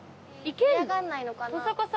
嫌がんないのかな。